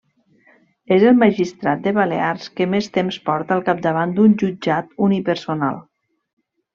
És el magistrat de Balears que més temps porta al capdavant d'un jutjat unipersonal.